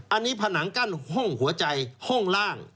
อันนี้ผนังกั้นห้องหัวใจห้องล่าง